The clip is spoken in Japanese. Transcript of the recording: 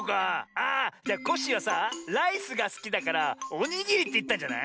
あじゃコッシーはさライスがすきだからおにぎりっていったんじゃない？